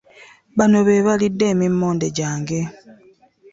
Bano be balidde emimmonde gyange!